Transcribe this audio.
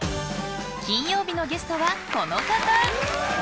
金曜日のゲストはこの方。